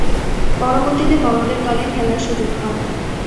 পরবর্তীতে বড়দের দলের খেলার সুযোগ পান।